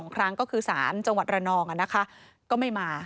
๒ครั้งก็คือสารจังหวัดระนองก็ไม่มา